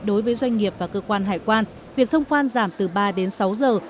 đối với doanh nghiệp và cơ quan hải quan việc thông quan giảm từ ba đến sáu giờ